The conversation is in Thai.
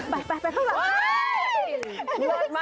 มากจริงนะคะ